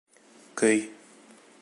Көй.